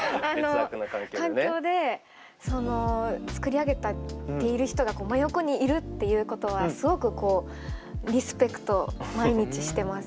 環境でその作り上げている人が真横にいるっていうことはすごくこうリスペクト毎日してます。